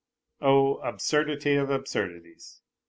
Oh, absurdity of absurd ities